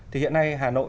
thì hiện nay hà nội